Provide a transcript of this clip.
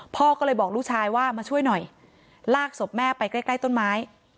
พ่อก็เลยบอกลูกชายว่ามาช่วยหน่อยลากศพแม่ไปใกล้ใกล้ต้นไม้